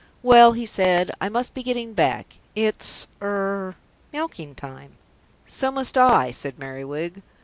"Well," he said, "I must be getting back. It's er milking time." "So must I," said Merriwig.